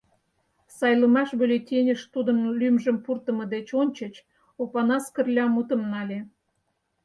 Сайлымаш бюллетеньыш тудын лӱмжым пуртымо деч ончыч Опанас Кырля мутым нале.